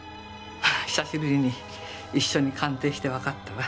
久しぶりに一緒に鑑定してわかったわ。